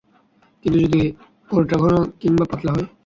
কিন্তু, যদি কোরটা ঘন কিংবা পাতলা হয়?